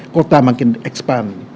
kota makin expand